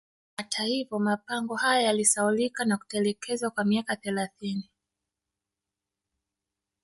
Hata hivyo mapango haya yalisahaulika na kutelekezwa kwa miaka thelathini